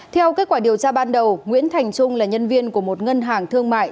theo kết quả điều tra ban đầu nguyễn thành trung là nhân viên của một ngân hàng thương mại